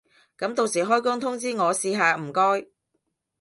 噉到時開工通知我試下唔該